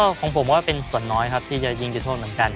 ก็ของผมว่าเป็นส่วนน้อยครับที่จะยิงจุดโทษเหมือนกัน